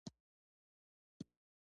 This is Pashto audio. د مور نوم «آیدا» وي